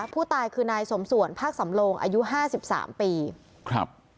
ผู้ตายคือนายสมส่วนภาคสำโลงอายุห้าสิบสามปีครับ